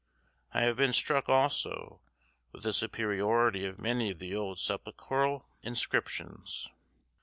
I have been struck, also, with the superiority of many of the old sepulchral inscriptions.